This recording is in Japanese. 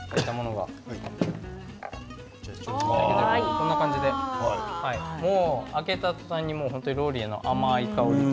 こんな感じで開けたとたんにローリエの甘い香りと。